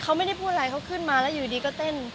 เขาไม่ได้พูดอะไรเขาขึ้นมาแล้วอยู่ดีก็เต้น